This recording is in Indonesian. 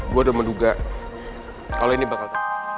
gue udah menduga kalau ini bakal